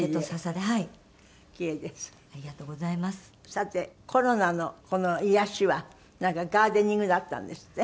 さてコロナのこの癒やしはガーデニングだったんですって？